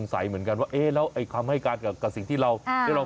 ตกมุมเดียวกันเลยครับท่าเดียวกันเลย